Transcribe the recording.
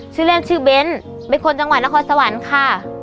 ชื่อแรกชื่อเบ้นเป็นคนจังหวัดนครสวรรค์ค่ะ